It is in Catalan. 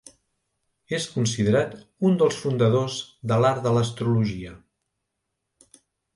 És considerat un dels fundadors de l'art de l'astrologia.